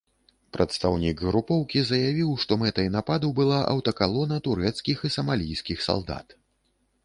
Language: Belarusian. Прадстаўнік групоўкі заявіў, што мэтай нападу была аўтакалона турэцкіх і самалійскіх салдат.